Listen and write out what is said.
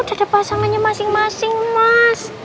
ada pasangannya masing masing mas